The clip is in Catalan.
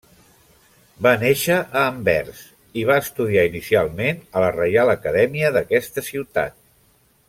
Va néixer a Anvers, i va estudiar inicialment a la Reial Acadèmia d'aquesta ciutat.